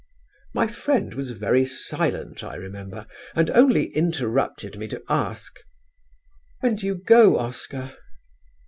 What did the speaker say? "My friend was very silent, I remember, and only interrupted me to ask: "'When do you go, Oscar?'